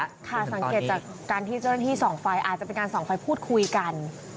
ค่ะสังเกตจากการที่เจ้าหน้าที่ส่องไฟอาจจะเป็นการส่องไฟพูดคุยกัน